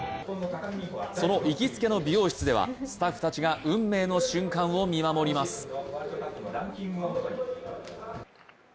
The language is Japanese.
その行きつけの美容室ではスタッフたちが運命の瞬間を見守ります。